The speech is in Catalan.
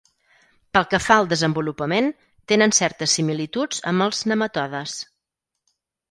Pel que fa al desenvolupament, tenen certes similituds amb els nematodes.